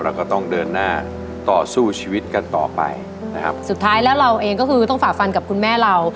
แล้วก็ต้องเดินหน้าต่อสู้ชีวิตกันต่อไปนะครับสุดท้ายแล้วเราเองก็คือต้องฝ่าฟันกับคุณแม่เรา